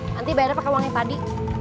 nanti bayarnya pakai uang yang tadi